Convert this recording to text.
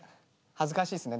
恥ずかしいっすね